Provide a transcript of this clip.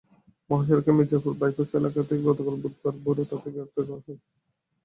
মহাসড়কের মির্জাপুর বাইপাস এলাকা থেকে গতকাল বুধবার ভোরে তাঁদের গ্রেপ্তার করা হয়।